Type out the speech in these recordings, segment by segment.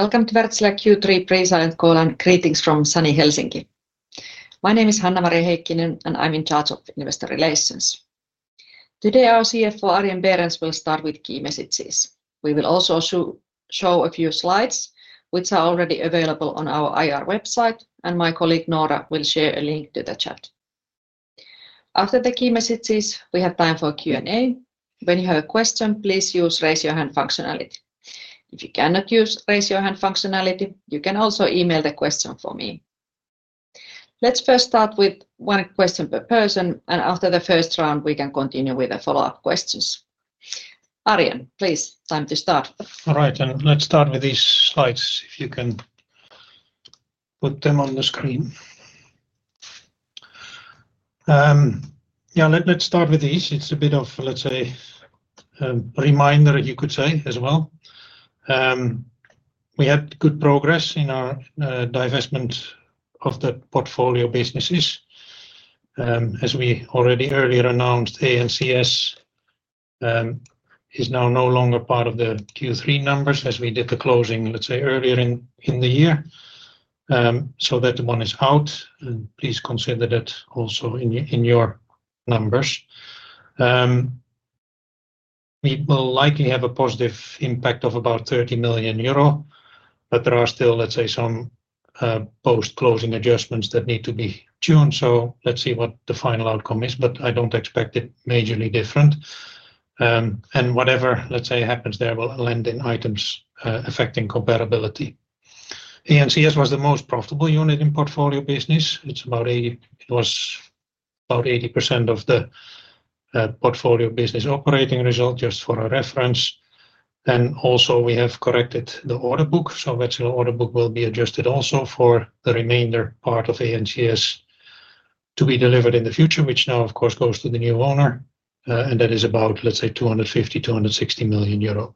Welcome to Wärtsilä Q3 Pre- salent call and greetings from sunny Helsinki. My name is Hanna-Maria Heikkinen and I'm in charge of Investor Relations. Today, our CFO, Arjen Berends, will start with key messages. We will also show a few slides, which are already available on our IR website, and my colleague Noora will share a link to the chat. After the key messages, we have time for Q&A. When you have a question, please use raise your hand functionality. If you cannot use raise your hand functionality, you can also email the question for me. Let's first start with one question per person, and after the first round, we can continue with the follow-up questions. Arjen, please, time to start. All right, let's start with these slides, if you can put them on the screen. Yeah, let's start with these. It's a bit of a reminder, if you could say, as well. We had good progress in our divestment of the portfolio businesses. As we already earlier announced, ANCS is now no longer part of the Q3 numbers, as we did the closing earlier in the year. That one is out, and please consider that also in your numbers. It will likely have a positive impact of about 30 million euro, but there are still some post-closing adjustments that need to be tuned, so let's see what the final outcome is. I don't expect it majorly different. Whatever happens there will land in items affecting comparability. ANCS was the most profitable unit in portfolio business. It was about 80% of the portfolio business operating result, just for our reference. We have also corrected the order book, so Wärtsilä order book will be adjusted also for the remainder part of ANCS to be delivered in the future, which now, of course, goes to the new owner, and that is about 250 million-260 million euro.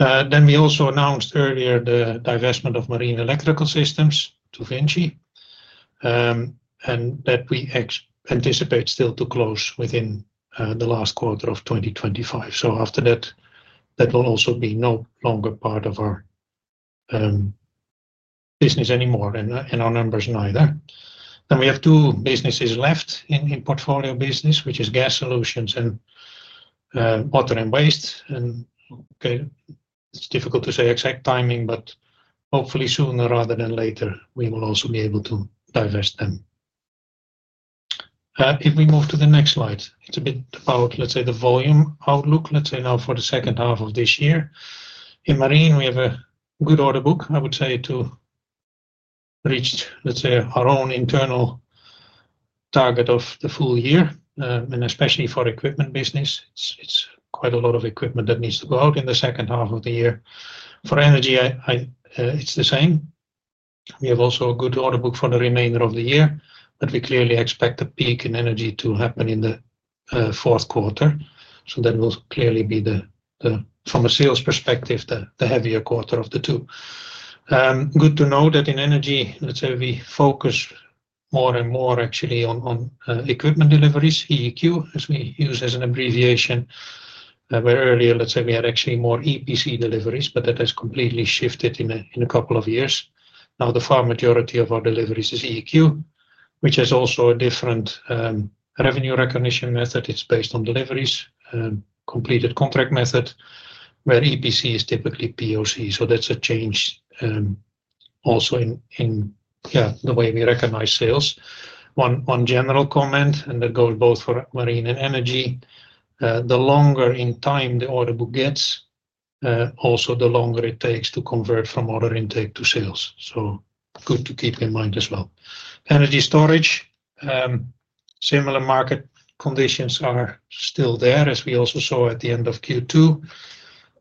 We also announced earlier the divestment of Marine Electrical Systems to Vinci, and we anticipate that to close within the last quarter of 2025. After that, that will also be no longer part of our business anymore in our numbers. We have two businesses left in portfolio business, which is Gas Solutions and Water and Waste. It's difficult to say exact timing, but hopefully sooner rather than later, we will also be able to divest them. If we move to the next slide, it's a bit about the volume outlook now for the second half of this year. In marine, we have a good order book, I would say, to reach our own internal target of the full year, and especially for equipment business. It's quite a lot of equipment that needs to go out in the second half of the year. For energy, it's the same. We have also a good order book for the remainder of the year, but we clearly expect a peak in energy to happen in the fourth quarter. That will clearly be, from a sales perspective, the heavier quarter of the two. Good to know that in energy, we focus more and more on equipment deliveries, EEQ, as we use as an abbreviation. Where earlier, we had actually more EPC deliveries, but that has completely shifted in a couple of years. Now the far majority of our deliveries is EEQ, which is also a different revenue recognition method. It's based on deliveries, completed contract method, where EPC is typically POC. That's a change also in the way we recognize sales. One general comment, and that goes both for marine and energy, the longer in time the order book gets, also the longer it takes to convert from order intake to sales. Good to keep in mind as well. Energy storage, similar market conditions are still there, as we also saw at the end of Q2.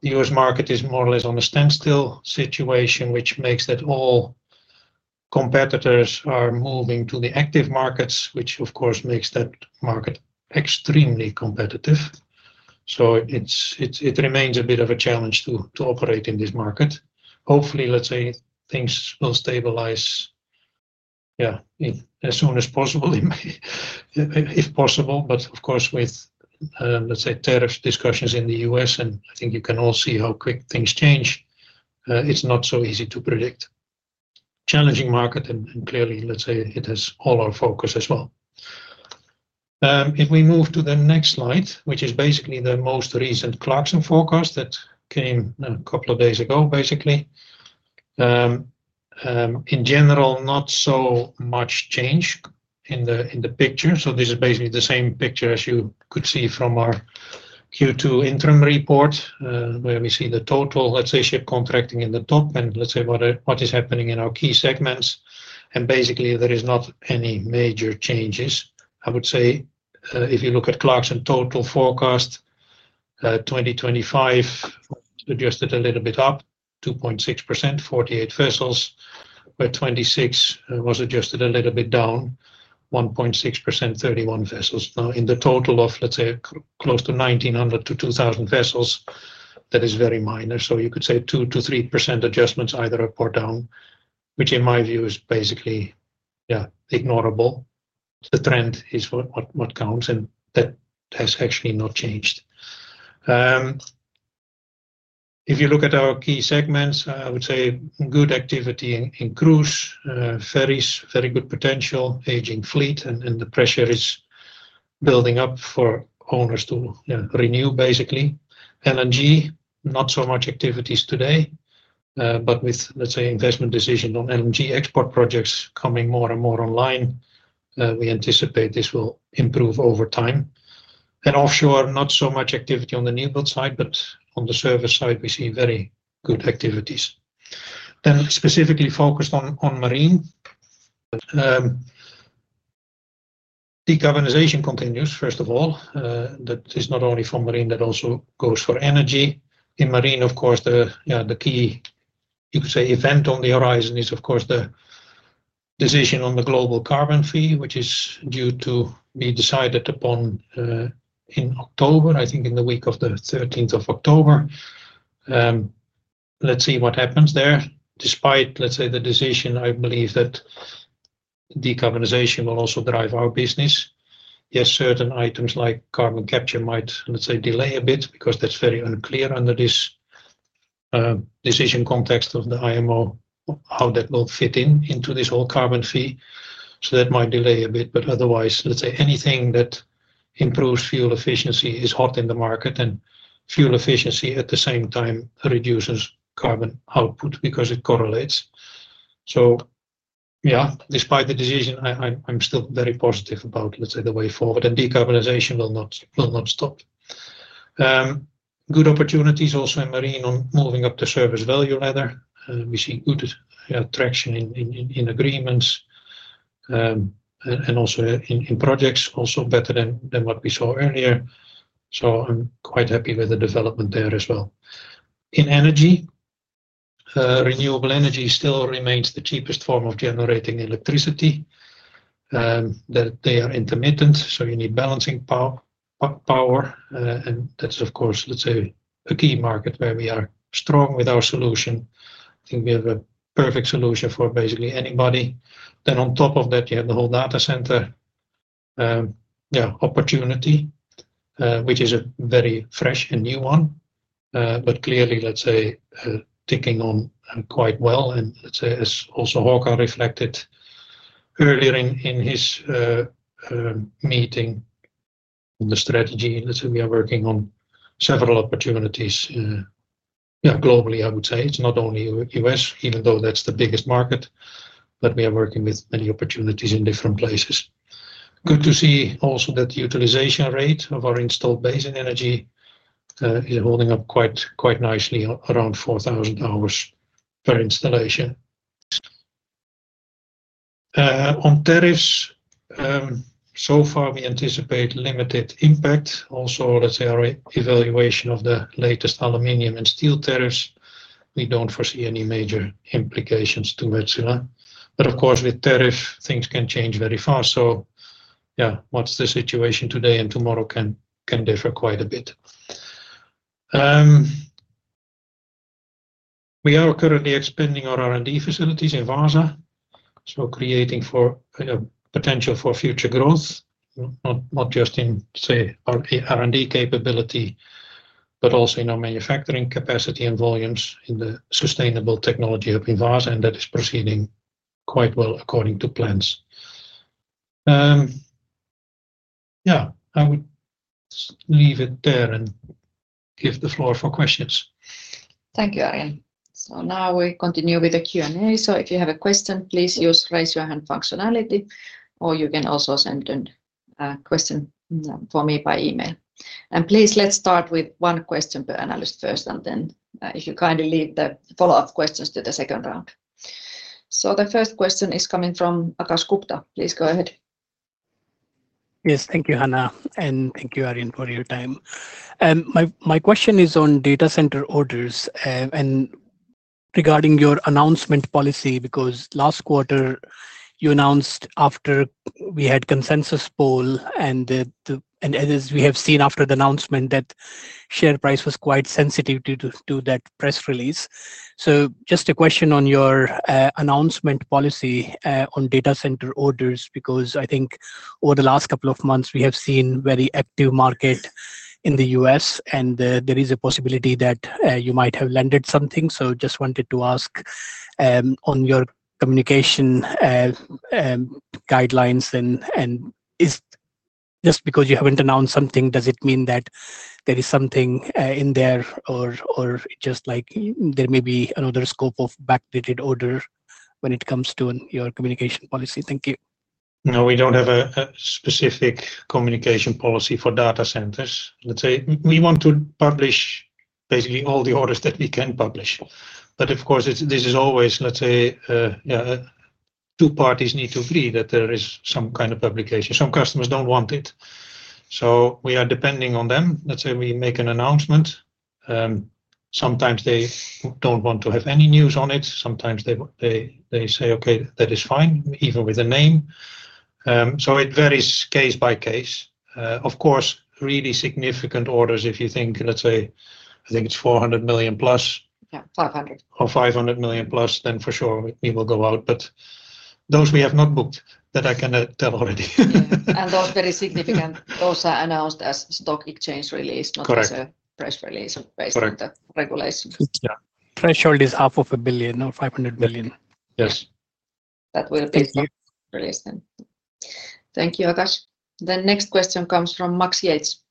The U.S. market is more or less on a standstill situation, which makes that all competitors are moving to the active markets, which, of course, makes that market extremely competitive. It remains a bit of a challenge to operate in this market. Hopefully, let's say, things will stabilize, as soon as possible, if possible. Of course, with, let's say, tariff discussions in the U.S., and I think you can all see how quick things change, it's not so easy to predict. Challenging market, and clearly, let's say, it is all our focus as well. If we move to the next slide, which is basically the most recent Clarkson forecast that came a couple of days ago, basically. In general, not so much change in the picture. This is basically the same picture as you could see from our Q2 interim report, where we see the total, let's say, ship contracting in the top, and let's say what is happening in our key segments. Basically, there are not any major changes. I would say, if you look at Clarkson total forecast, 2025 adjusted a little bit up, 2.6%, 48 vessels, where 2026 was adjusted a little bit down, 1.6%, 31 vessels. In the total of, let's say, close to 1,900 to 2,000 vessels, that is very minor. You could say 2%-3% adjustments either up or down, which in my view is basically ignorable. The trend is what counts, and that has actually not changed. If you look at our key segments, I would say good activity in cruise, ferries, very good potential, aging fleet, and the pressure is building up for owners to renew, basically. LNG, not so much activities today, but with, let's say, investment decisions on LNG export projects coming more and more online, we anticipate this will improve over time. Offshore, not so much activity on the new build side, but on the service side, we see very good activities. Specifically focused on marine, decarbonization continues, first of all. That is not only for marine, that also goes for energy. In marine, of course, the key, you could say, event on the horizon is, of course, the decision on the global carbon fee, which is due to be decided upon in October, I think in the week of the 13th of October. Let's see what happens there. Despite the decision, I believe that decarbonization will also drive our business. Yes, certain items like carbon capture might delay a bit because that's very unclear under this decision context of the IMO, how that will fit into this whole carbon fee. That might delay a bit, but otherwise, anything that improves fuel efficiency is hot in the market, and fuel efficiency at the same time reduces carbon output because it correlates. Despite the decision, I'm still very positive about the way forward, and decarbonization will not stop. Good opportunities also in marine on moving up the service value ladder. We see good traction in agreements and also in projects, also better than what we saw earlier. I'm quite happy with the development there as well. In energy, renewable energy still remains the cheapest form of generating electricity. They are intermittent, so you need balancing power, and that's a key market where we are strong with our solution. I think we have a perfect solution for basically anybody. On top of that, you have the whole data center opportunity, which is a very fresh and new one, but clearly ticking on quite well, and as also Håkan reflected earlier in his meeting on the strategy, we are working on several opportunities. Globally, I would say, it's not only U.S., even though that's the biggest market, but we are working with many opportunities in different places. Good to see also that the utilization rate of our installed base in energy is holding up quite nicely, around 4,000 hours per installation. On tariffs, so far, we anticipate limited impact. Also, our evaluation of the latest aluminium and steel tariffs, we don't foresee any major implications to Wärtsilä. Of course, with tariff, things can change very fast. What's the situation today and tomorrow can differ quite a bit. We are currently expanding our R&D facilities in Vaasa, creating a potential for future growth, not just in, say, our R&D capability, but also in our manufacturing capacity and volumes in the Sustainable Technology Hub in Vaasa, and that is proceeding quite well according to plans. I would leave it there and give the floor for questions. Thank you, Arjen. Now we continue with the Q&A. If you have a question, please use the raise your hand functionality, or you can also send in a question for me by email. Please, let's start with one question per analyst first, and then kindly leave the follow-up questions to the second round. The first question is coming from Akash Gupta. Please go ahead. Yes, thank you, Hanna, and thank you, Arjen, for your time. My question is on data center orders and regarding your announcement policy, because last quarter you announced after we had a consensus poll, and as we have seen after the announcement, that share price was quite sensitive due to that press release. Just a question on your announcement policy on data center orders, because I think over the last couple of months, we have seen a very active market in the U.S., and there is a possibility that you might have landed something. I just wanted to ask on your communication guidelines, and just because you haven't announced something, does it mean that there is something in there, or just like there may be another scope of backdated order when it comes to your communication policy? Thank you. No, we don't have a specific communication policy for data centers. Let's say we want to publish basically all the orders that we can publish. Of course, this is always, let's say, yeah, two parties need to agree that there is some kind of publication. Some customers don't want it. We are depending on them. Let's say we make an announcement. Sometimes they don't want to have any news on it. Sometimes they say, okay, that is fine, even with a name. It varies case by case. Of course, really significant orders, if you think, let's say, I think it's 400 million+. Yeah, 500. Or 500 million+, for sure it will go out. Those we have not booked, that I can tell already. Those are very significant. Those are announced as stock exchange release, not as a press release, based on the regulation. Yeah. Press release half a billion, or 500 million. Yes. That will be released then. Thank you, Akash. The next question comes from Max Yates.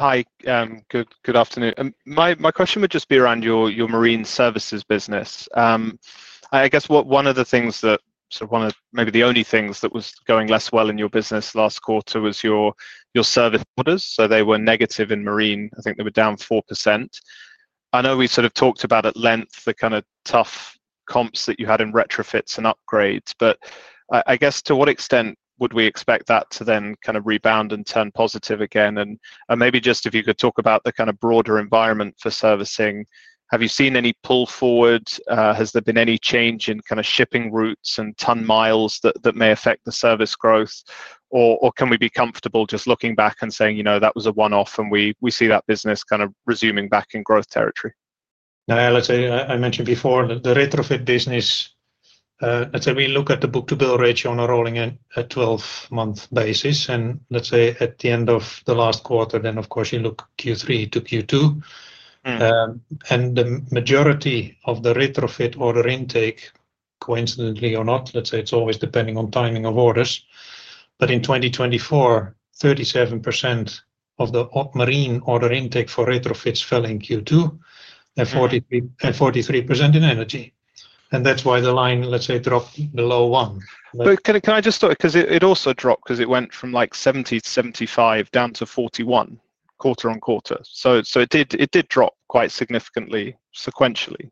Hi, good afternoon. My question would just be around your marine services business. I guess one of the things that sort of maybe the only thing that was going less well in your business last quarter was your service orders. They were negative in marine. I think they were down 4%. I know we sort of talked about at length the kind of tough comps that you had in retrofits and upgrades, but I guess to what extent would we expect that to then kind of rebound and turn positive again? Maybe just if you could talk about the kind of broader environment for servicing, have you seen any pull forward? Has there been any change in kind of shipping routes and ton miles that may affect the service growth? Can we be comfortable just looking back and saying, you know, that was a one-off and we see that business kind of resuming back in growth territory? I mentioned before the retrofit business. We look at the book-to-build ratio on a rolling and a 12-month basis, and at the end of the last quarter, you look Q3 to Q2. The majority of the retrofit order intake, coincidentally or not, is always depending on timing of orders. In 2024, 37% of the marine order intake for retrofits fell in Q2, and 43% in energy. That's why the line dropped below one. Can I just talk because it also dropped because it went from 70 to 75 down to 41, quarter on quarter. It did drop quite significantly sequentially.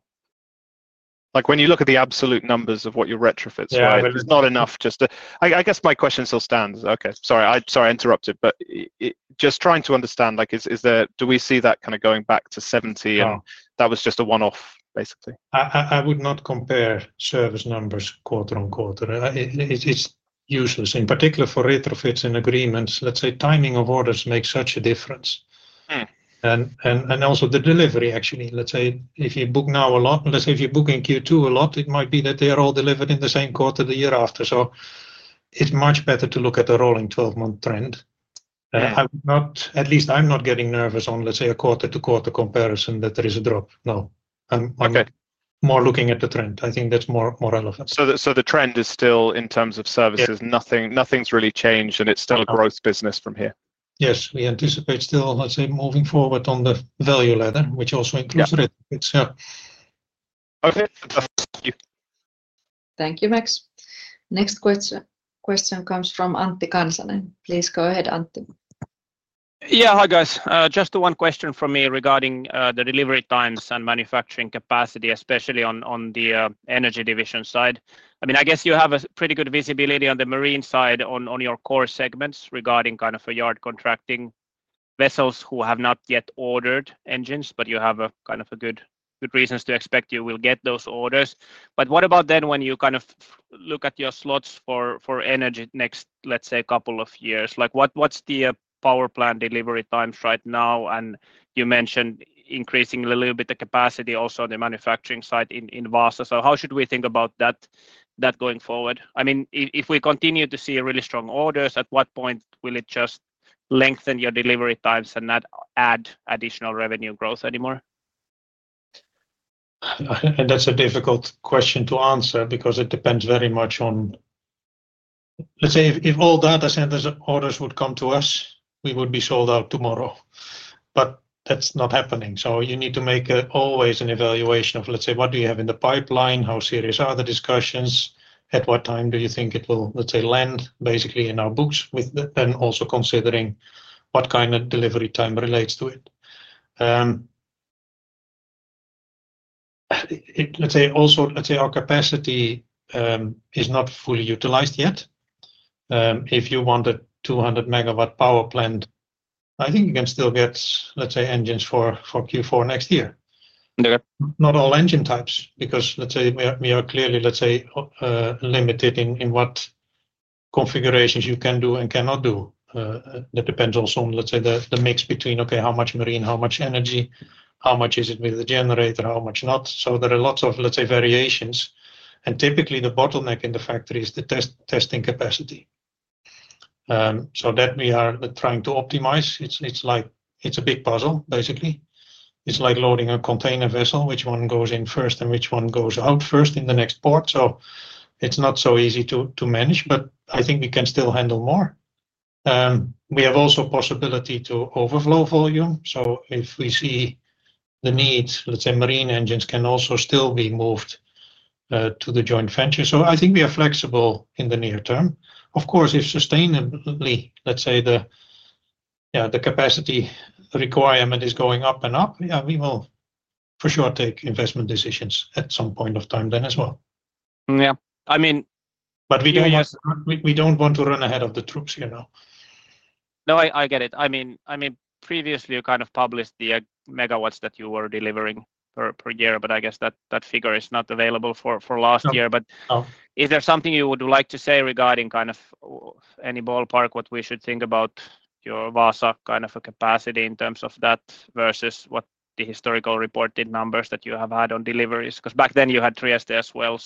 When you look at the absolute numbers of what your retrofits were, it was not enough just to, I guess my question still stands. Sorry, I interrupted, but just trying to understand, is there, do we see that kind of going back to 70 and that was just a one-off basically? I would not compare service numbers quarter on quarter. It's useless. In particular for retrofits and agreements, timing of orders makes such a difference. Also, the delivery, actually, if you book now a lot, if you book in Q2 a lot, it might be that they are all delivered in the same quarter the year after. It is much better to look at the rolling 12-month trend. I'm not, at least I'm not getting nervous on a quarter-to-quarter comparison that there is a drop. No, I'm more looking at the trend. I think that's more relevant. The trend is still in terms of services. Nothing's really changed, and it's still a growth business from here. Yes, we anticipate still, I'd say, moving forward on the value ladder, which also includes retrofits. Thank you, Max. Next question comes from Antti Kansanen. Please go ahead, Antti. Yeah, hi guys. Just the one question from me regarding the delivery times and manufacturing capacity, especially on the energy division side. I mean, I guess you have a pretty good visibility on the marine side on your core segments regarding kind of a yard contracting vessels who have not yet ordered engines, but you have kind of good reasons to expect you will get those orders. What about then when you kind of look at your slots for energy next, let's say, a couple of years? What's the power plant delivery times right now? You mentioned increasing a little bit of capacity also on the manufacturing side in Vaasa. How should we think about that going forward? I mean, if we continue to see really strong orders, at what point will it just lengthen your delivery times and not add additional revenue growth anymore? That's a difficult question to answer because it depends very much on, let's say, if all data centers orders would come to us, we would be sold out tomorrow. That's not happening. You need to make always an evaluation of, let's say, what do you have in the pipeline? How serious are the discussions? At what time do you think it will, let's say, land basically in our books, and also considering what kind of delivery time relates to it? Let's say also, our capacity is not fully utilized yet. If you want a 200 MW power plant, I think you can still get, let's say, engines for Q4 next year. Not all engine types because, let's say, we are clearly, let's say, limited in what configurations you can do and cannot do. That depends also on, let's say, the mix between, okay, how much marine, how much energy, how much is it with the generator, how much not. There are lots of, let's say, variations. Typically, the bottleneck in the factory is the testing capacity. We are trying to optimize that. It's like a big puzzle, basically. It's like loading a container vessel, which one goes in first and which one goes out first in the next port. It's not so easy to manage, but I think we can still handle more. We have also a possibility to overflow volume. If we see the needs, let's say, marine engines can also still be moved to the joint venture. I think we are flexible in the near term. Of course, if sustainably, let's say, the capacity requirement is going up and up, we will for sure take investment decisions at some point of time then as well. I mean. We don't want to run ahead of the troops, you know. No, I get it. I mean, previously, you kind of published the megawatts that you were delivering per year, but I guess that figure is not available for last year. Is there something you would like to say regarding any ballpark what we should think about your Vaasa capacity in terms of that versus what the historical reported numbers that you have had on deliveries? Back then you had Trieste as well.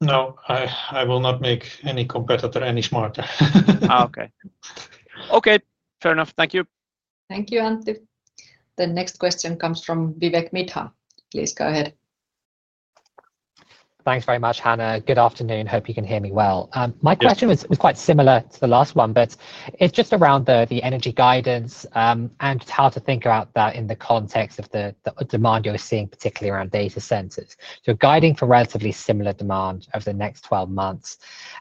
No, I will not make any competitor any smarter. Okay, fair enough. Thank you. Thank you, Antti. The next question comes from Vivek Midha. Please go ahead. Thanks very much, Hanna. Good afternoon. Hope you can hear me well. My question is quite similar to the last one, but it's just around the energy guidance and how to think about that in the context of the demand you're seeing, particularly around data centers. You're guiding for relatively similar demand over the next 12 months.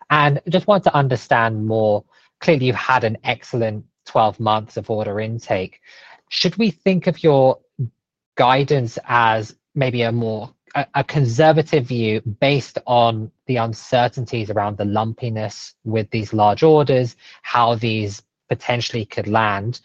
I just want to understand more. Clearly, you've had an excellent 12 months of order intake. Should we think of your guidance as maybe a more conservative view based on the uncertainties around the lumpiness with these large orders, how these potentially could land?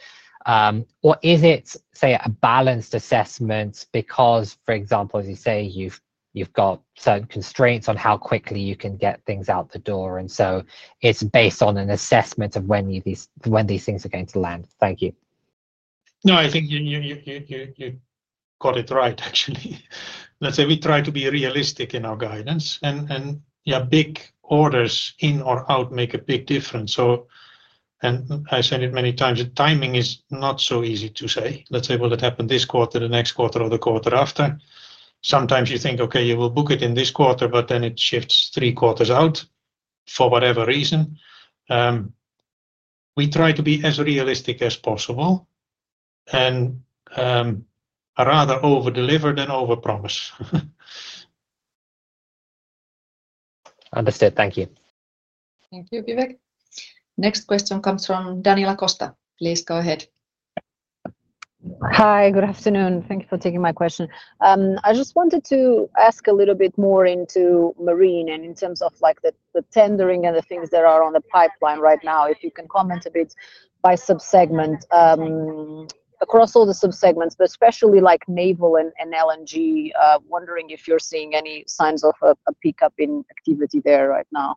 Is it, say, a balanced assessment because, for example, as you say, you've got certain constraints on how quickly you can get things out the door? It's based on an assessment of when these things are going to land. Thank you. No, I think you got it right, actually. We try to be realistic in our guidance. Big orders in or out make a big difference. I said it many times, the timing is not so easy to say. Will it happen this quarter, the next quarter, or the quarter after? Sometimes you think, okay, you will book it in this quarter, but then it shifts three quarters out for whatever reason. We try to be as realistic as possible and rather over-deliver than over-promise. Understood. Thank you. Thank you, Vivek. Next question comes from Daniela Costa. Please go ahead. Hi, good afternoon. Thank you for taking my question. I just wanted to ask a little bit more into marine and in terms of the tendering and the things that are on the pipeline right now. If you can comment a bit by subsegment across all the subsegments, but especially like naval and LNG, wondering if you're seeing any signs of a pickup in activity there right now.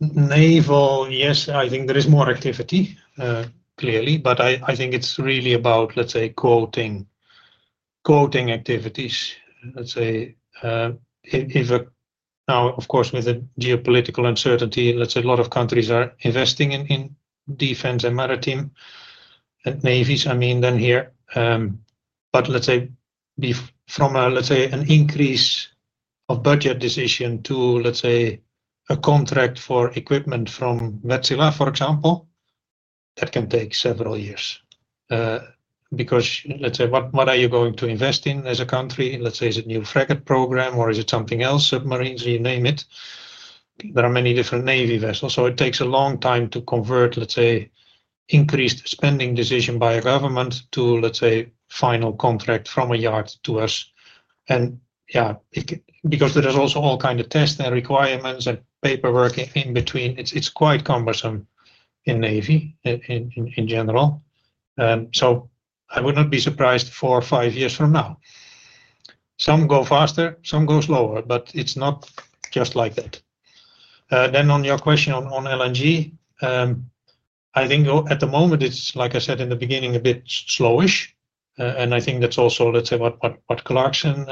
Naval, yes, I think there is more activity, clearly, but I think it's really about quoting activities. If now, of course, with the geopolitical uncertainty, a lot of countries are investing in defense and maritime and navies, I mean, then here. From an increase of budget decision to a contract for equipment from Wärtsilä, for example, that can take several years. Because what are you going to invest in as a country? Is it a new frigate program or is it something else, submarines, you name it? There are many different navy vessels. It takes a long time to convert increased spending decision by a government to final contract from a yard to us. There are also all kinds of tests and requirements and paperwork in between, it's quite cumbersome in navy in general. I would not be surprised four or five years from now. Some go faster, some go slower, but it's not just like that. On your question on LNG, I think at the moment, it's, like I said in the beginning, a bit slowish. I think that's also what Clarkson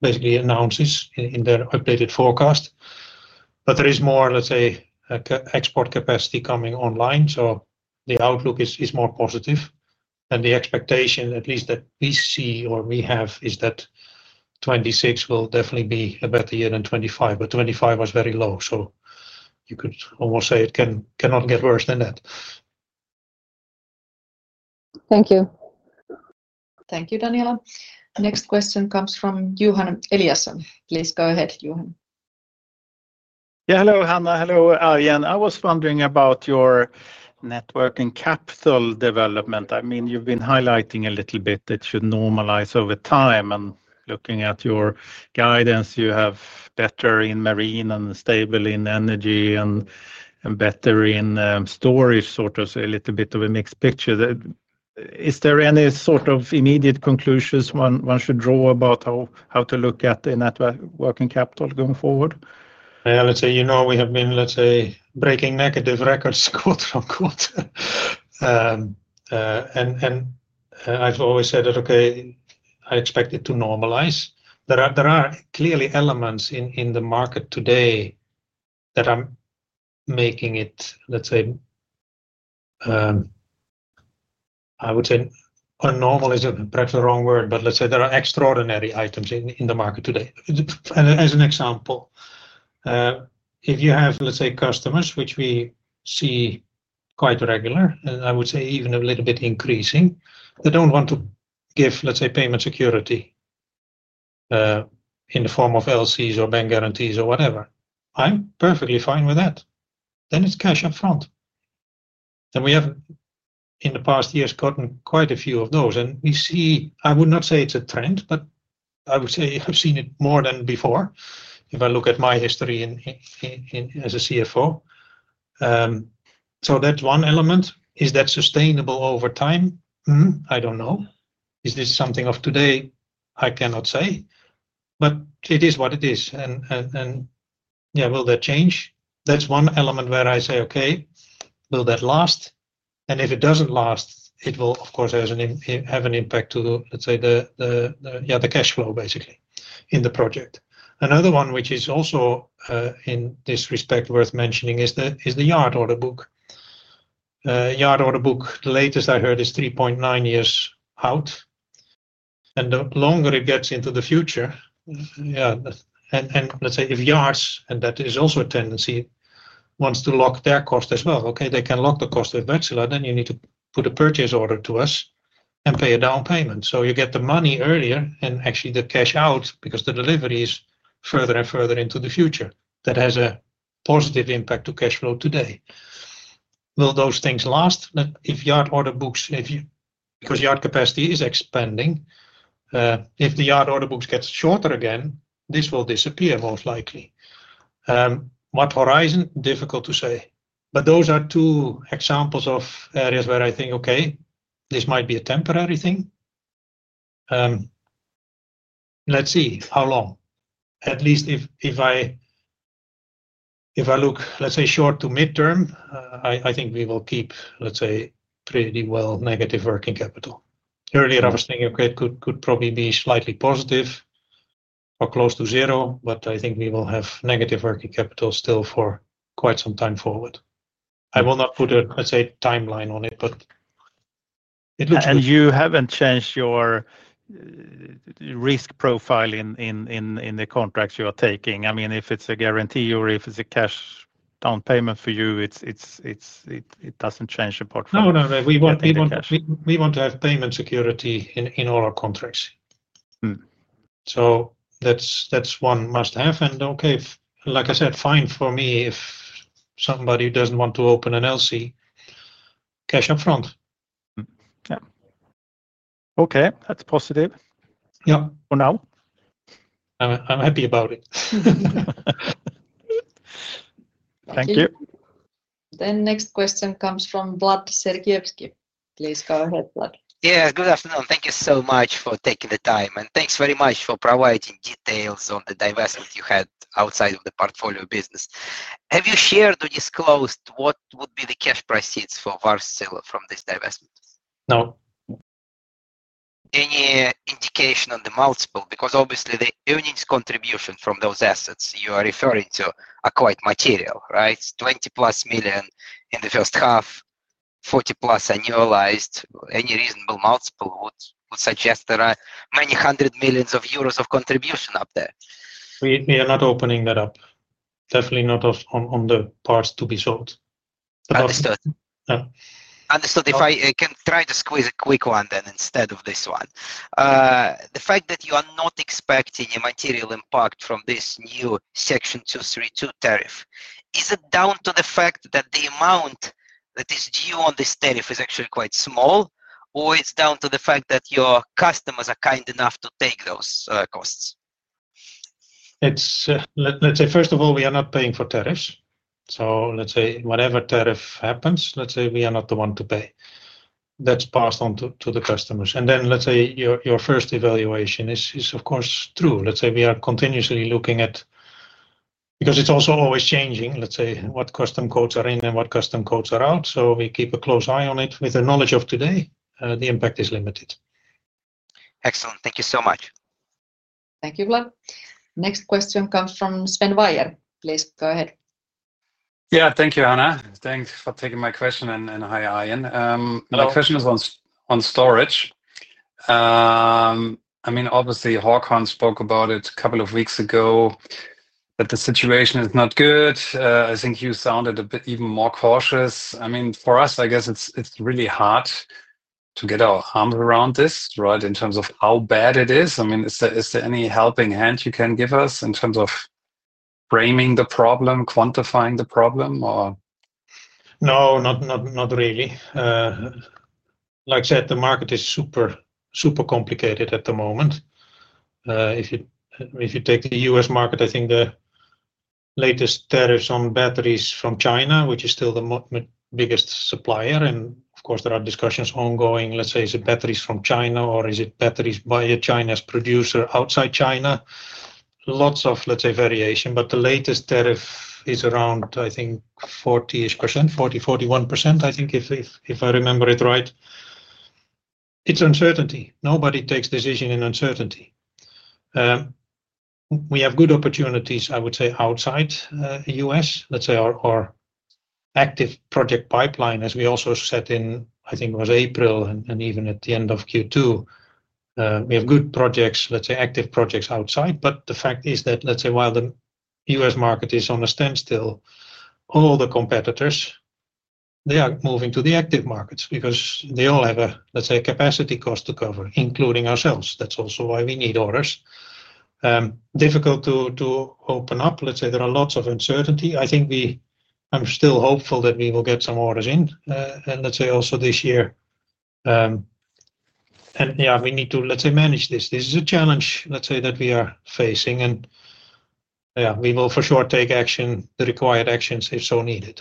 basically announces in their updated forecast. There is more export capacity coming online, so the outlook is more positive. The expectation, at least that we see or we have, is that 2026 will definitely be a better year than 2025, but 2025 was very low. You could almost say it cannot get worse than that. Thank you. Thank you, Daniela. Next question comes from Johan Eliason. Please go ahead, Johan. Yeah, hello, Hanna. Hello, Arjen. I was wondering about your net working capital development. You've been highlighting a little bit that it should normalize over time. Looking at your guidance, you have better in marine and stable in energy and better in storage, sort of a little bit of a mixed picture. Is there any sort of immediate conclusions one should draw about how to look at the working capital going forward? I would say, you know, we have been, let's say, breaking negative records quarter on quarter. I've always said that, okay, I expect it to normalize. There are clearly elements in the market today that are making it, let's say, normal is perhaps the wrong word, but there are extraordinary items in the market today. As an example, if you have customers, which we see quite regular, and I would say even a little bit increasing, they don't want to give payment security in the form of LCs or bank guarantees or whatever. I'm perfectly fine with that. Then it's cash up front. We have, in the past years, gotten quite a few of those. We see, I would not say it's a trend, but we've seen it more than before. If I look at my history as a CFO, that's one element. Is that sustainable over time? I don't know. Is this something of today? I cannot say. It is what it is. Will that change? That's one element where I say, okay, will that last? If it doesn't last, it will, of course, have an impact to the cash flow, basically, in the project. Another one, which is also in this respect worth mentioning, is the yard order book. Yard order book, the latest I heard, is 3.9 years out. The longer it gets into the future, and if yards, and that is also a tendency, want to lock their cost as well, they can lock the cost of Wärtsilä, then you need to put a purchase order to us and pay a down payment. You get the money earlier and actually the cash out because the delivery is further and further into the future. That has a positive impact to cash flow today. Will those things last? If yard order books, because yard capacity is expanding, if the yard order books get shorter again, this will disappear most likely. What horizon? Difficult to say. Those are two examples of areas where I think, okay, this might be a temporary thing. Let's see how long. At least if I look, let's say, short to mid-term, I think we will keep, let's say, pretty well negative working capital. Earlier, I was thinking, okay, it could probably be slightly positive or close to zero, but I think we will have negative working capital still for quite some time forward. I will not put a timeline on it, but it looks. You haven't changed your risk profile in the contracts you are taking. If it's a guarantee or if it's a cash down payment for you, it doesn't change your portfolio. We want to have payment security in all our contracts. That's one must-have. Like I said, fine for me if somebody doesn't want to open an LC, cash up front. Yeah, okay, that's positive. Yeah. For now. I'm happy about it. Thank you. The next question comes from Vlad Sergievskii. Please go ahead, Vlad. Yeah, good afternoon. Thank you so much for taking the time. Thank you very much for providing details on the divestment you had outside of the portfolio business. Have you shared or disclosed what would be the cash proceeds for Wärtsilä from this divestment? No. Any indication on the multiple? Because obviously the earnings contribution from those assets you are referring to are quite material, right? 20+ million in the first half, 40+ million annualized, any reasonable multiple would suggest there are many hundreds of millions of euros of contribution up there. We are not opening that up, definitely not on the parts to be sold. Understood. If I can try to squeeze a quick one instead of this one. The fact that you are not expecting a material impact from this new section 232 tariff, is it down to the fact that the amount that is due on this tariff is actually quite small, or it's down to the fact that your customers are kind enough to take those costs? First of all, we are not paying for tariffs. Whatever tariff happens, we are not the one to pay. That's passed on to the customers. Your first evaluation is, of course, true. We are continuously looking at, because it's also always changing, what custom codes are in and what custom codes are out. We keep a close eye on it. With the knowledge of today, the impact is limited. Excellent. Thank you so much. Thank you, Vlad. Next question comes from Sven Weier. Please go ahead. Thank you, Hanna. Thanks for taking my question and hi, Arjen. My question is on storage. Obviously, Håkan spoke about it a couple of weeks ago that the situation is not good. I think you sounded a bit even more cautious. For us, I guess it's really hard to get our arms around this, right, in terms of how bad it is. Is there any helping hand you can give us in terms of framing the problem, quantifying the problem, or? No, not really. Like I said, the market is super, super complicated at the moment. If you take the U.S. market, I think the latest tariffs on batteries from China, which is still the biggest supplier, and of course there are discussions ongoing, let's say, is it batteries from China or is it batteries by a Chinese producer outside China? Lots of, let's say, variation, but the latest tariff is around, I think, 40%-41%, I think, if I remember it right. It's uncertainty. Nobody takes a decision in uncertainty. We have good opportunities, I would say, outside the U.S. Let's say our active project pipeline, as we also said in, I think it was April and even at the end of Q2, we have good projects, let's say, active projects outside. The fact is that, let's say, while the U.S. market is on a standstill, all the competitors, they are moving to the active markets because they all have a, let's say, capacity cost to cover, including ourselves. That's also why we need orders. Difficult to open up. Let's say there are lots of uncertainty. I think I'm still hopeful that we will get some orders in. Let's say also this year. Yeah, we need to, let's say, manage this. This is a challenge, let's say, that we are facing. Yeah, we will for sure take action, the required actions if so needed.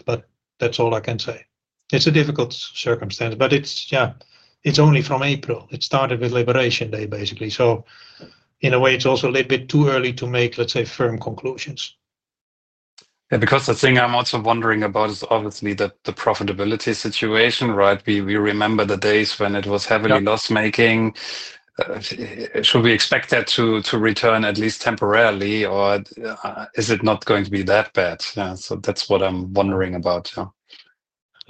That's all I can say. It's a difficult circumstance. It's only from April. It started with Liberation Day, basically. In a way, it's also a little bit too early to make, let's say, firm conclusions. The thing I'm also wondering about is obviously the profitability situation, right? We remember the days when it was heavily loss-making. Should we expect that to return at least temporarily, or is it not going to be that bad? That's what I'm wondering about.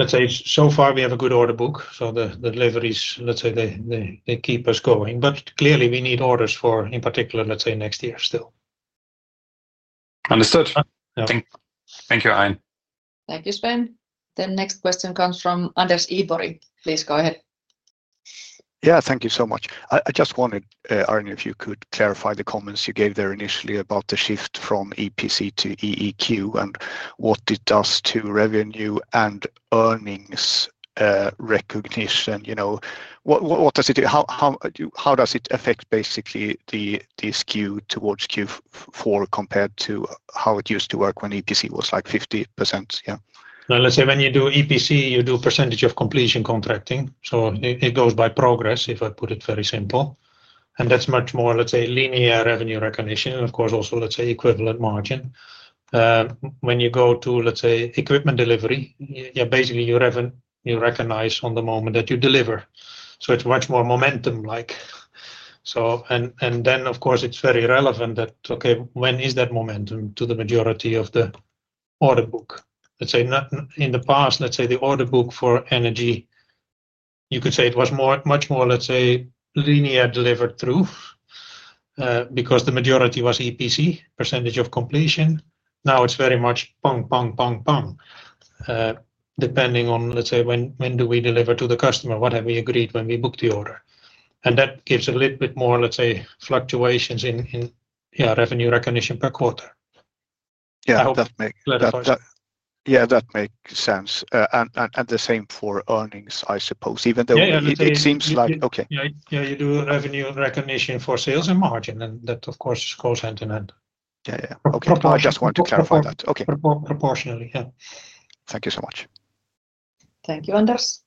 So far we have a good order book. The deliveries, let's say, they keep us going. Clearly we need orders for, in particular, next year still. Understood. Thank you, Arjen. Thank you, Sven. The next question comes from Anders Idborg. Please go ahead. Thank you so much. I just wanted, Arjen, if you could clarify the comments you gave there initially about the shift from EPC to EEQ and what it does to revenue and earnings recognition. What does it do? How does it affect basically this queue towards Q4 compared to how it used to work when EPC was like 50%? Yeah. Let's say when you do EPC, you do percentage of completion contracting. It goes by progress, if I put it very simple, and that's much more, let's say, linear revenue recognition. Of course, also, let's say, equivalent margin. When you go to, let's say, equipment delivery, yeah, basically you recognize on the moment that you deliver, so it's much more momentum-like. It's very relevant that, okay, when is that momentum to the majority of the order book? Not in the past, let's say the order book for energy, you could say it was much more, let's say, linear delivered through because the majority was EPC, percentage of completion. Now it's very much pung, pung, pung, pung, depending on, let's say, when do we deliver to the customer, what have we agreed when we book the order. That gives a little bit more, let's say, fluctuations in revenue recognition per quarter. Yeah, that makes sense. The same for earnings, I suppose, even though it seems like, okay. Yeah, you do revenue recognition for sales and margin, and that, of course, goes hand in hand. Okay, I just want to clarify that. Okay. Proportionally, yeah. Thank you so much. Thank you, Anders.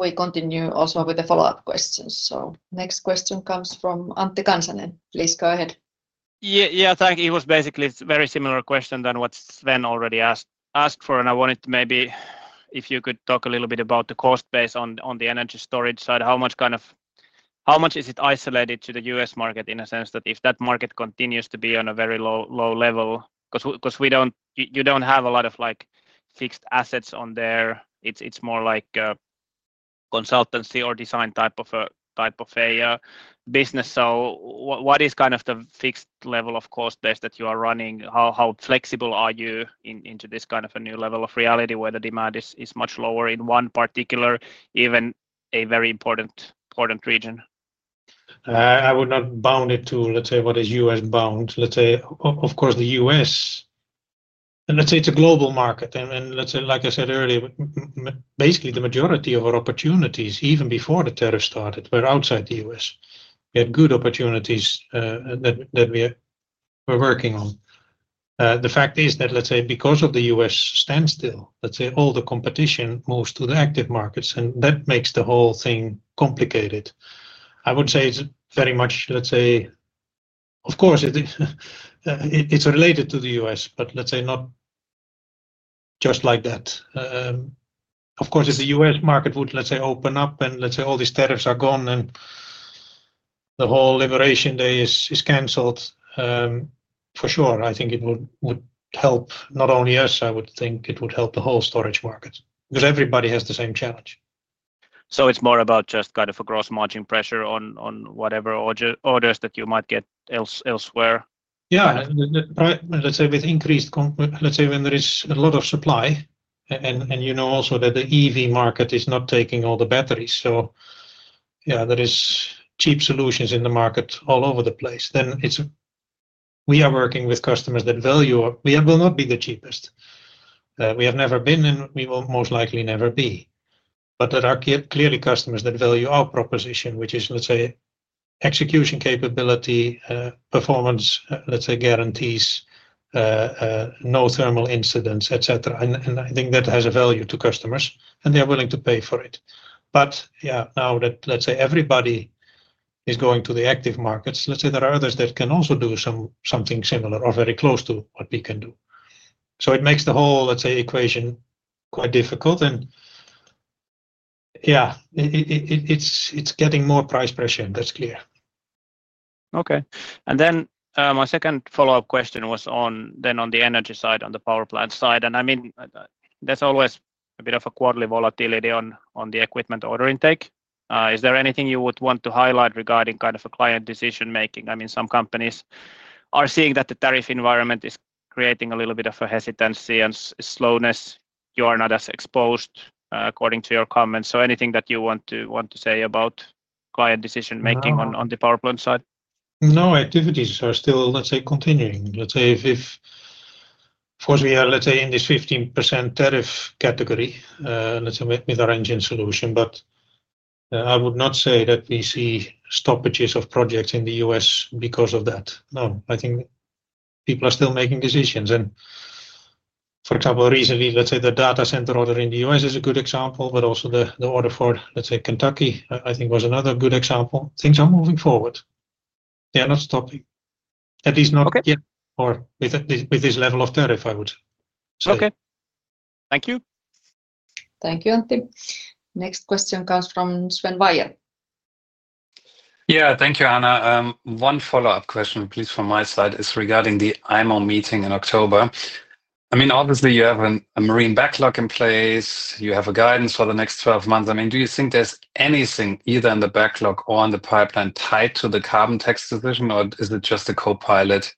We continue also with the follow-up questions. The next question comes from Antti Kansanen. Please go ahead. Thank you. It was basically a very similar question than what Sven already asked for. I wanted to maybe, if you could talk a little bit about the cost base on the energy storage side, how much is it isolated to the U.S. market in a sense that if that market continues to be on a very low level, because you don't have a lot of like fixed assets on there. It's more like a consultancy or design type of a type of a business. What is kind of the fixed level of cost base that you are running? How flexible are you into this kind of a new level of reality where the demand is much lower in one particular, even a very important region? I would not bound it to, let's say, what is U.S. bound. Of course, the U.S., and it's a global market. Like I said earlier, basically the majority of our opportunities, even before the tariff started, were outside the U.S. We had good opportunities that we're working on. The fact is that, because of the U.S. standstill, all the competition moves to the active markets, and that makes the whole thing complicated. I would say it's very much, of course, it's related to the U.S., but not just like that. Of course, if the U.S. market would open up and all these tariffs are gone and the whole Liberation Day is canceled, for sure, I think it would help not only us, I would think it would help the whole energy storage market because everybody has the same challenge. It is more about just kind of a gross margin pressure on whatever orders that you might get elsewhere? Let's say with increased, when there is a lot of supply and you know also that the EV market is not taking all the batteries, there are cheap solutions in the market all over the place. We are working with customers that value, we will not be the cheapest. We have never been and we will most likely never be. There are clearly customers that value our proposition, which is execution capability, performance, guarantees, no thermal incidents, etc. I think that has a value to customers and they're willing to pay for it. Now that everybody is going to the active markets, there are others that can also do something similar or very close to what we can do. It makes the whole equation quite difficult. It's getting more price pressure, and that's clear. Okay. My second follow-up question was on the energy side, on the power plant side. There's always a bit of quarterly volatility on the equipment order intake. Is there anything you would want to highlight regarding kind of client decision making? Some companies are seeing that the tariff environment is creating a little bit of hesitancy and slowness. You are not as exposed according to your comments. Is there anything that you want to say about client decision making on the power plant side? No, activities are still continuing. If, of course, we are in this 15% tariff category with our engine solution, I would not say that we see stoppages of projects in the U.S. because of that. I think people are still making decisions. For example, recently, the data center order in the U.S. is a good example, but also the order for Kentucky was another good example. Things are moving forward. They are not stopping, at least not yet or with this level of tariff, I would say. Okay, thank you. Thank you, Antti. Next question comes from Sven Weier. Yeah, thank you, Hanna. One follow-up question, please, from my side is regarding the IMO meeting in October. Obviously, you have a marine backlog in place. You have a guidance for the next 12 months. Do you think there's anything either in the backlog or in the pipeline tied to the carbon fee decision, or is it just a co-pilot?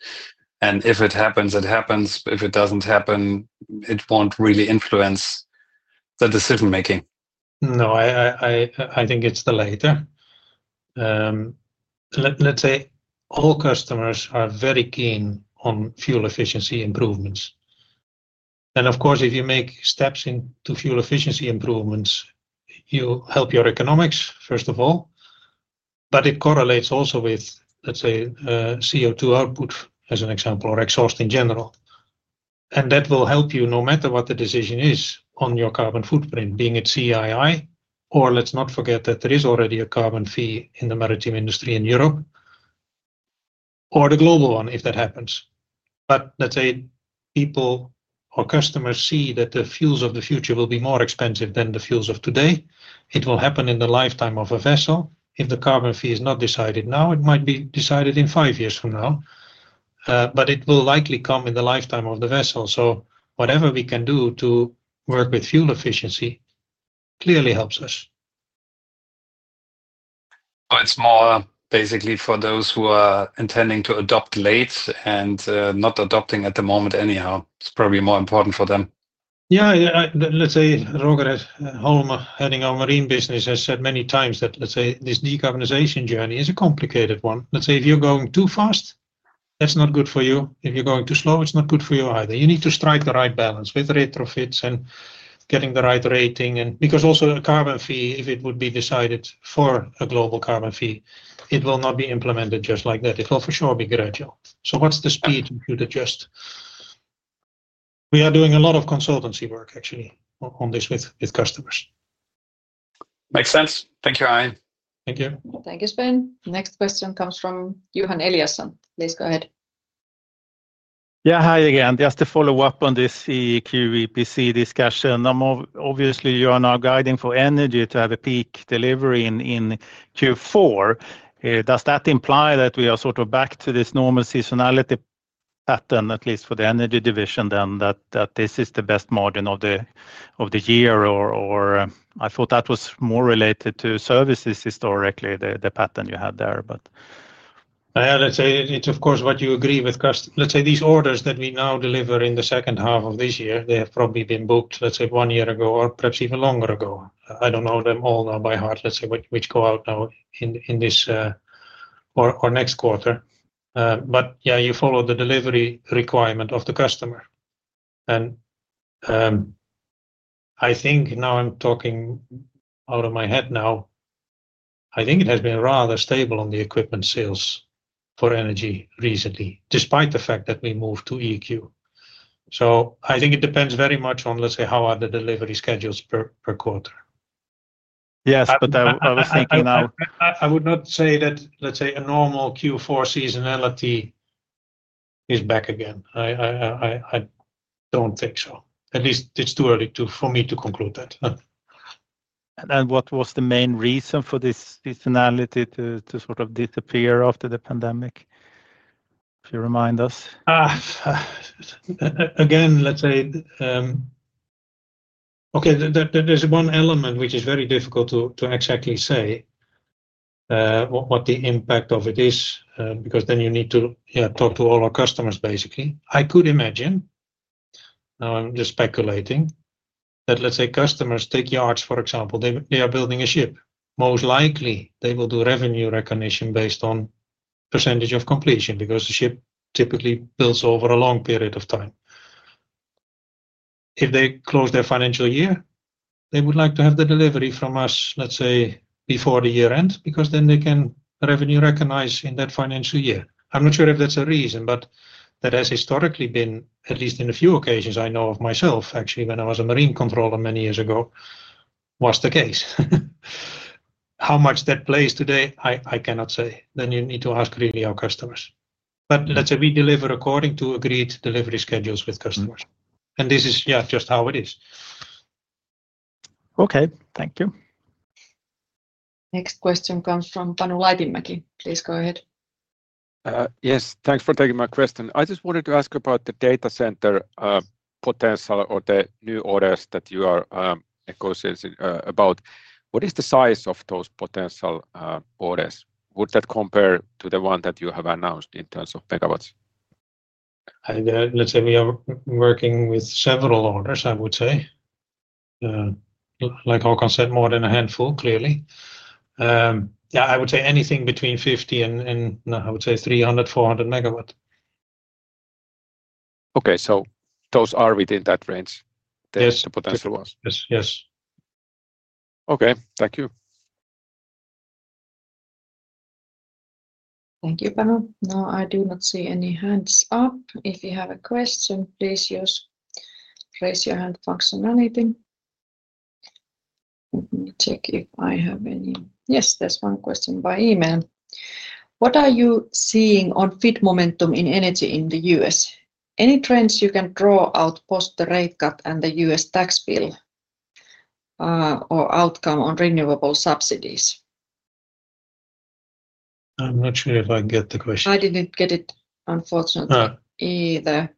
If it happens, it happens. If it doesn't happen, it won't really influence the decision making. No, I think it's the latter. Let's say all customers are very keen on fuel efficiency improvements. Of course, if you make steps into fuel efficiency improvements, you help your economics, first of all. It correlates also with, let's say, CO2 output as an example or exhaust in general. That will help you no matter what the decision is on your carbon footprint, being it CII, or let's not forget that there is already a carbon fee in the maritime industry in Europe, or the global one if that happens. Customers see that the fuels of the future will be more expensive than the fuels of today. It will happen in the lifetime of a vessel. If the carbon fee is not decided now, it might be decided in five years from now. It will likely come in the lifetime of the vessel. Whatever we can do to work with fuel efficiency clearly helps us. It's more basically for those who are intending to adopt late and not adopting at the moment anyhow. It's probably more important for them. Roger Holm, heading our marine business, has said many times that this decarbonization journey is a complicated one. If you're going too fast, that's not good for you. If you're going too slow, it's not good for you either. You need to strike the right balance with retrofits and getting the right rating. Because also a carbon fee, if it would be decided for a global carbon fee, it will not be implemented just like that. It will for sure be gradual. What's the speed to adjust? We are doing a lot of consultancy work, actually, on this with customers. Makes sense. Thank you, Arjen. Thank you. Thank you, Sven. Next question comes from Johan Eliasson. Please go ahead. Hi again. Just to follow up on this EEQ EPC discussion, obviously you are now guiding for energy to have a peak delivery in Q4. Does that imply that we are sort of back to this normal seasonality pattern, at least for the energy division then, that this is the best margin of the year? I thought that was more related to services historically, the pattern you had there. Yeah, let's say it's of course what you agree with. These orders that we now deliver in the second half of this year have probably been booked one year ago or perhaps even longer ago. I don't know them all now by heart, which go out now in this or next quarter. You follow the delivery requirement of the customer. I think now, I'm talking out of my head now, I think it has been rather stable on the equipment sales for energy recently, despite the fact that we moved to EEQ. I think it depends very much on how are the delivery schedules per quarter. Yes, I was thinking now. I would not say that, let's say, a normal Q4 seasonality is back again. I don't think so. At least it's too early for me to conclude that. What was the main reason for this seasonality to sort of disappear after the pandemic, if you remind us? Again, let's say, okay, there's one element which is very difficult to exactly say what the impact of it is because you need to talk to all our customers, basically. I could imagine, now I'm just speculating, that let's say customers take yards, for example, they are building a ship. Most likely they will do revenue recognition based on percentage of completion because the ship typically builds over a long period of time. If they close their financial year, they would like to have the delivery from us, let's say, before the year ends because then they can revenue recognize in that financial year. I'm not sure if that's a reason, but that has historically been, at least in a few occasions I know of myself, actually, when I was a marine controller many years ago, was the case. How much that plays today, I cannot say. You need to ask really our customers. Let's say we deliver according to agreed delivery schedules with customers. This is, yeah, just how it is. Okay, thank you. Next question comes from Panu Laitinmäki. Please go ahead. Yes, thanks for taking my question. I just wanted to ask about the data center potential or the new orders that you are negotiating about. What is the size of those potential orders? Would that compare to the one that you have announced in terms of megawatts? I think we are working with several orders, I would say. Like Håkan said, more than a handful, clearly. I would say anything between 50 and, I would say, 300 MW, 400 MW. Okay, those are within that range that the potential was. Yes, yes. Okay, thank you. Thank you, Panu. Now I do not see any hands up. If you have a question, please use the raise your hand functionality. Let me check if I have any. Yes, there's one question by email. What are you seeing on feed momentum in energy in the U.S.? Any trends you can draw out post the rate cut and the U.S. tax bill or outcome on renewable subsidies? I'm not sure if I get the question. I didn't get it, unfortunately, either.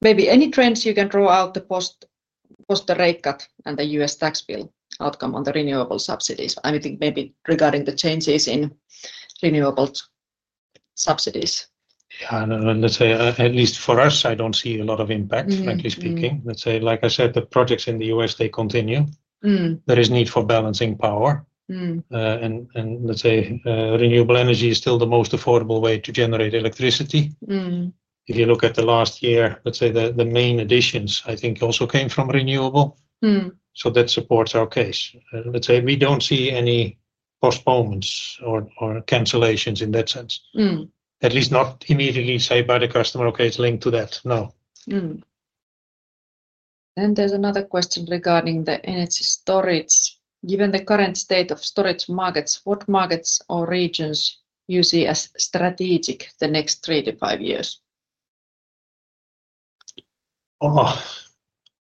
Maybe any trends you can draw out post the rate cut and the U.S. tax bill outcome on the renewable subsidies? I mean, I think maybe regarding the changes in renewable subsidies. I don't know. Let's say, at least for us, I don't see a lot of impact, frankly speaking. Like I said, the projects in the U.S., they continue. There is a need for balancing power. Let's say renewable energy is still the most affordable way to generate electricity. If you look at the last year, the main additions, I think, also came from renewable. That supports our case. We don't see any postponements or cancellations in that sense, at least not immediately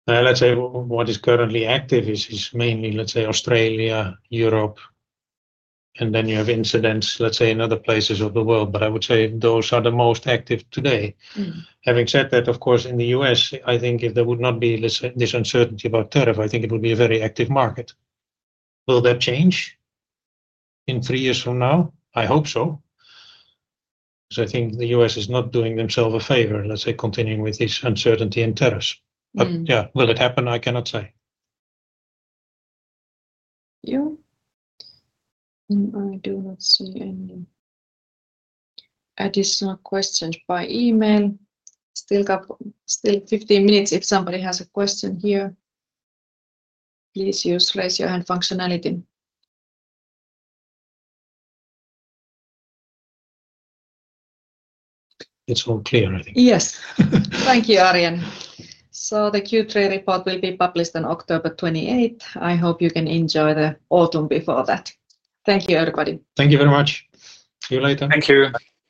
say by the customer, okay, it's linked to that. No. There is another question regarding the energy storage. Given the current state of storage markets, what markets or regions do you see as strategic in the next three to five years? What is currently active is mainly Australia and Europe. Then you have incidents in other places of the world. I would say those are the most active today. Having said that, of course, in the U.S., I think if there would not be this uncertainty about tariff, it would be a very active market. Will that change in three years from now? I hope so. I think the U.S. is not doing themselves a favor continuing with this uncertainty in tariffs. Will it happen? I cannot say. I do not see any additional questions by email. Still got 15 minutes. If somebody has a question here, please use the raise your hand functionality. It's all clear, I think. Yes. Thank you, Arjen. The Q3 report will be published on October 28. I hope you can enjoy the autumn before that. Thank you, everybody. Thank you very much. See you later. Thank you.